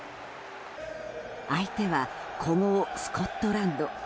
相手は古豪スコットランド。